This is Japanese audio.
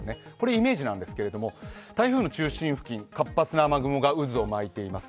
イメージなんですけど、台風の中心付近活発な雨雲が渦を巻いています。